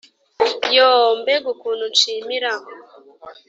yoo, mbega ukuntu nshimira